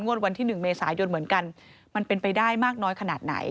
วันที่๑เมษายนเหมือนกันมันเป็นไปได้มากน้อยขนาดไหน